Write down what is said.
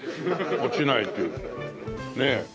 落ちないっていうねえ。